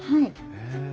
へえ。